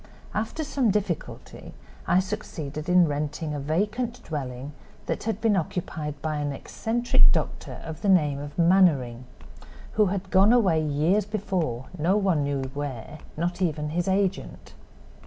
After some difficulty I succeeded in renting a vacant dwelling that had been occupied by an eccentric doctor of the name of Mannering, who had gone away years before, no one knew where, not even his agent.